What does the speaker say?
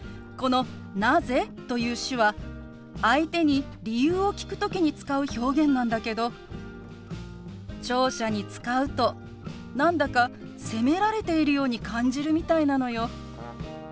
この「なぜ？」という手話相手に理由を聞く時に使う表現なんだけど聴者に使うと何だか責められているように感じるみたいなのよ。